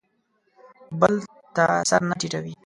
بل ته سر نه ټیټوي.